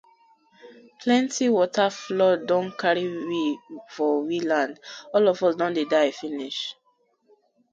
Plenti wata flood don karry we for we land, all of us don dey die finish.